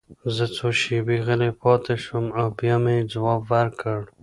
زه څو شېبې غلی پاتې شوم او بیا مې ځواب ورکړ